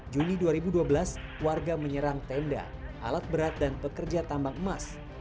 juni dua ribu dua belas warga menyerang tenda alat berat dan pekerja tambang emas